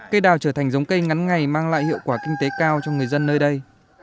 cây đào trở thành giống cây ngắn ngày mang lại hiệu quả kinh tế cao cho người dân nơi đây